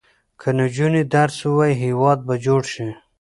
که نجونې درس ووايي، هېواد به جوړ شي.